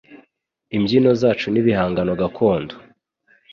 Imbyino zacu n'ibihangano gakondo